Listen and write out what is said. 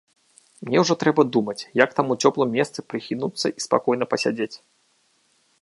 Мне ўжо трэба думаць, як там у цёплым месцы прыхінуцца і спакойна пасядзець.